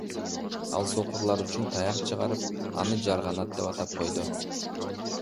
Ал сокурлар үчүн таяк чыгарып, аны Жарганат деп атап койду.